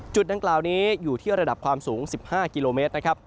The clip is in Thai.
จุดด้านกล่าวนี้อยู่ที่ระดับความสูง๑๕กิโลเมตร